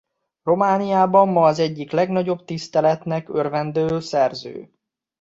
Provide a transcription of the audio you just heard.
Romániában ma az egyik legnagyobb tiszteletnek örvendő szerző.